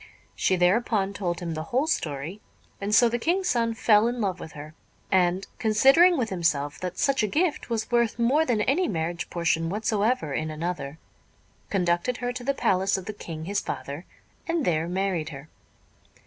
She thereupon told him the whole story; and so the King's son fell in love with her; and, considering with himself that such a gift was worth more than any marriage portion whatsoever in another, conducted her to the palace of the King his father, and there married her.